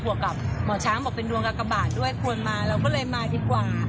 วกกับหมอช้างบอกเป็นดวงกากบาทด้วยควรมาเราก็เลยมาดีกว่า